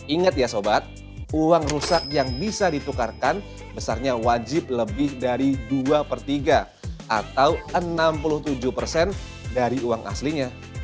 ingat ya sobat uang rusak yang bisa ditukarkan besarnya wajib lebih dari dua per tiga atau enam puluh tujuh persen dari uang aslinya